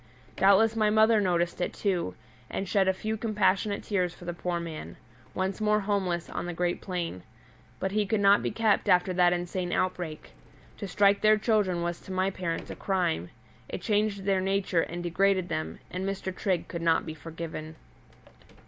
Doubtless my mother noticed it, too, and shed a few compassionate tears for the poor man, once more homeless on the great plain. But he could not be kept after that insane outbreak. To strike their children was to my parents a crime; it changed their nature and degraded them, and Mr. Trigg could not be forgiven.